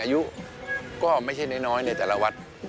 อายุก็ไม่ใช่น้อยในแต่ละวัด